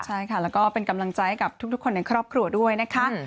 ใช่ค่ะแล้วก็เป็นกำลังใจกับทุกคนในครอบครัวด้วยนะคะ